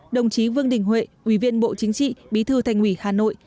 đồng chí vương đình huệ ủy viên bộ chính trị bí thư thành ủy hà nội